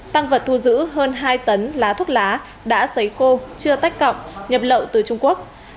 tăng vật thu giữ hơn hai tấn lá thuốc lá đã xấy khô chưa tách cọng nhập lậu từ trung quốc